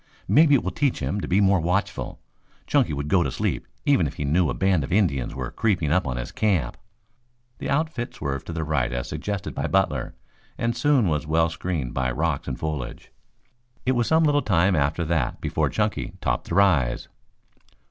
Maybe it will teach him to be more watchful. Chunky would go to sleep even if he knew a band of Indians were creeping up on his camp." The outfit swerved to the right as suggested by Butler, and soon was well screened by rocks and foliage. It was some little time after that before Chunky topped the rise.